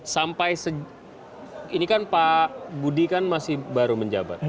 sampai ini kan pak budi kan masih baru menjabat